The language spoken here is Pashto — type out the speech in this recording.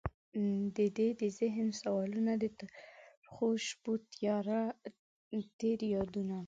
ددې د ذهن سوالونه، د ترخوشپوتیر یادونه